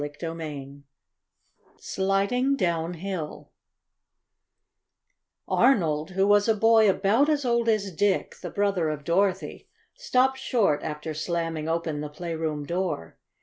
CHAPTER IV SLIDING DOWNHILL Arnold, who was a boy about as old as Dick, the brother of Dorothy, stopped short after slamming open the playroom door.